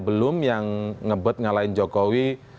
belum yang ngebet ngalahin jokowi